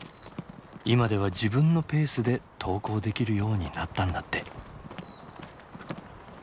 今では自分のペースで登校できるようになったんだって。